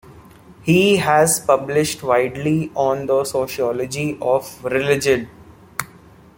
He has published widely on the sociology of religion.